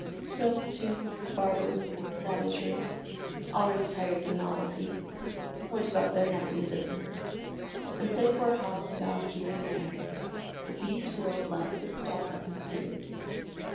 So, too, barbarism and savagery, already tired of the novelty, went about their nightly business, and save for a howling dog here and there, the beast world left the star unheeded.